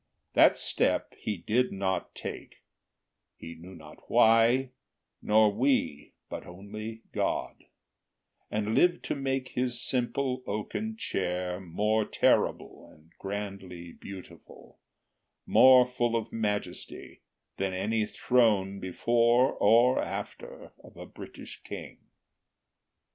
That step he did not take, He knew not why, nor we, but only God, And lived to make his simple oaken chair More terrible and grandly beautiful, More full of majesty than any throne Before or after, of a British king.